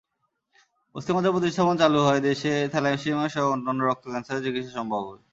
অস্থিমজ্জা প্রতিস্থাপন চালু হওয়ায় দেশে থ্যালাসেমিয়াসহ অন্যান্য রক্ত-ক্যানসারের চিকিৎসা সম্ভব হবে।